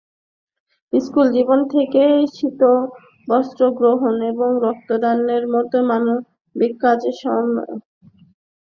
স্কুলজীবন থেকেই শীতবস্ত্র সংগ্রহ, রক্তদানের মতো মানবিক কাজে সামনের সারিতে ছিলেন।